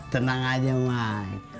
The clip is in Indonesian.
tenang aja mak